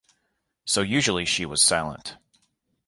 So usually she was silent.